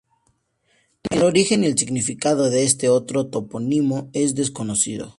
El origen y significado de este otro topónimo es desconocido.